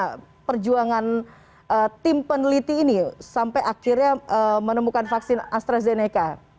bagaimana perjuangan tim peneliti ini sampai akhirnya menemukan vaksin astrazeneca